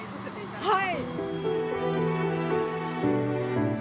はい。